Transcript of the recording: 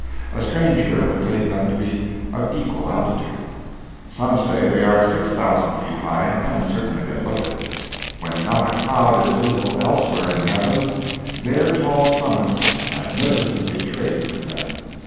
A stranger would take them to be of equal altitude. Some say they are 6,000 feet high, and certainly they look it. When not a cloud is visible elsewhere in the heavens, their tall summits are magnificently draped with them.